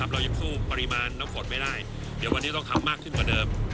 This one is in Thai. เรายังสู้ปริมาณน้ำฝนไม่ได้เดี๋ยววันนี้ต้องทำมากขึ้นกว่าเดิม